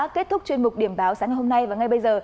kết thúc chuyên mục điểm báo sáng ngày hôm nay và ngay bây giờ